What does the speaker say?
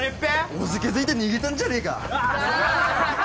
おじけづいて逃げたんじゃねえか。